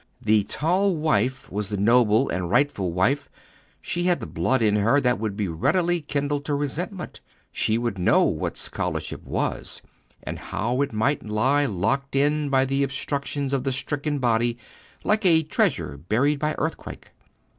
The tall wife was the noble and rightful wife; she had the blood in her that would be readily kindled to resentment; she would know what scholarship was, and how it might lie locked in by the obstructions of the stricken body, like a treasure buried by earthquake.